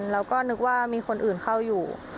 แล้วก็นึกว่ามีคนอื่นเข้าอยู่